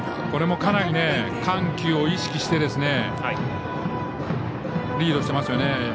これもかなり緩急を意識してリードしてますよね。